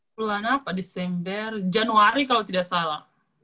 bulan apa desember januari kalau tidak salah